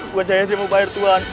buat saya sih mau bayar tuhan